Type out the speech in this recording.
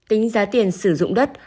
tính giá tiền sử dụng đất